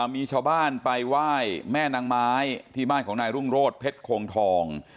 มีชาวบ้านไปไหว้แม่นางไม้ที่บ้านของนายรุ่งโรธเพชรโคงทอง